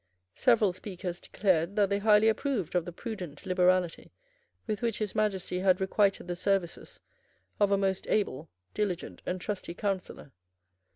Several speakers declared that they highly approved of the prudent liberality with which His Majesty had requited the services of a most able, diligent and trusty counsellor.